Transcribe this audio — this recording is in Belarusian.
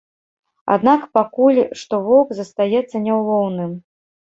Аднак пакуль што воўк застаецца няўлоўным.